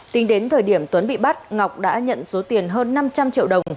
tính đến thời điểm tuấn bị bắt ngọc đã nhận số tiền hơn năm trăm linh triệu đồng